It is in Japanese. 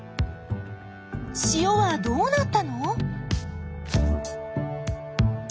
塩はどうなったの？